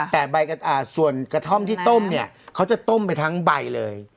แต่ใบส่วนกระท่อมที่ต้มเนี่ยเขาจะต้มไปทั้งใบเลย